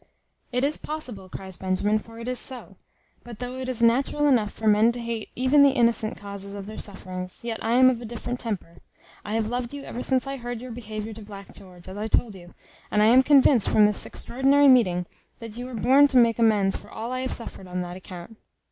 "It is possible," cries Benjamin, "for it is so: but though it is natural enough for men to hate even the innocent causes of their sufferings, yet I am of a different temper. I have loved you ever since I heard of your behaviour to Black George, as I told you; and I am convinced, from this extraordinary meeting, that you are born to make me amends for all I have suffered on that account.